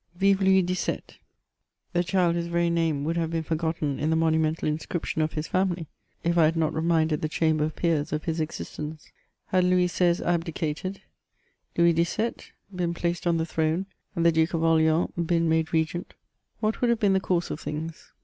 " Vive Louis XVII T — the child whose very name would have been forgotten in the monu mental inscription of his family, if I had not reminded iJie Cham ber of Peers of his existence! Had Louis XVI. abdicated, Louis XVII. been placed on the throne, and the Duke of Orleans been made regent, what would have been the course of things